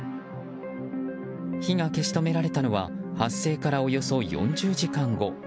火が消し止められたのは発生からおよそ４０時間後。